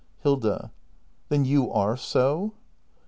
Hilda. Then you are so